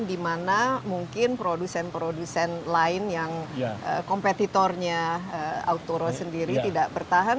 dimana mungkin produsen produsen lain yang kompetitornya autoro sendiri tidak bertahan